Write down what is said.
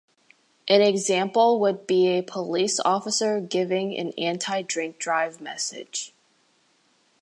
An example would be a police officer giving an anti-drink drive message.